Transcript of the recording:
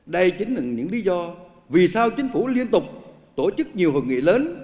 đây chính là những lý do vì sao chính phủ liên tục tổ chức nhiều hội nghị lớn